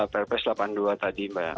perpres delapan puluh dua tadi mbak